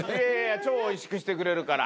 超おいしくしてくれるから。